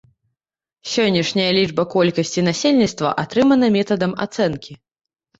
Сённяшняя лічба колькасці насельніцтва атрымана метадам ацэнкі.